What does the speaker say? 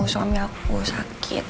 suami aku sakit